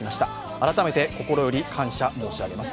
改めて心より感謝申し上げます。